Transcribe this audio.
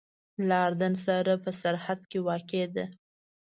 له اردن سره په سرحد کې واقع ده.